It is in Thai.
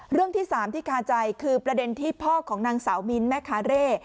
เรื่องที่๓ที่คาใจคือประเด็นที่พ่อของนางสาวมิ้นแม่คาเร่